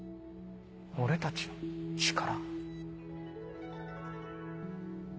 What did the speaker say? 俺たちの力？